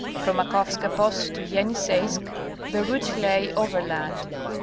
From Makovska post to Yeniseisk the route lay over land.